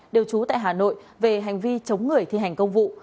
đều trú tại hà nội về hành vi chống người thi hành công vụ